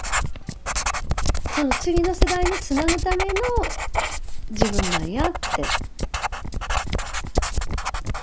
その次の世代につなぐための自分なんやって。